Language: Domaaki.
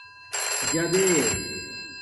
جابے